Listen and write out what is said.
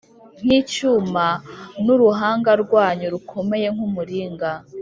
Nk icyuma n n uruhanga rwanyu rukomeye nk umuringa